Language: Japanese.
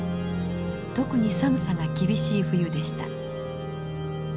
特に寒さが厳しい冬でした。